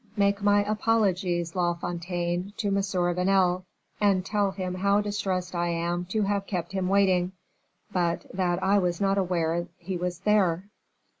Make my apologies, La Fontaine, to M. Vanel, and tell him how distressed I am to have kept him waiting, but that I was not aware he was there."